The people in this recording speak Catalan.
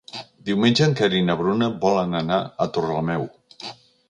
Diumenge en Quer i na Bruna volen anar a Torrelameu.